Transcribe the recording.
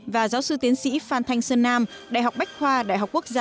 và giáo sư tiến sĩ phan thanh sơn nam đại học bách khoa đại học quốc gia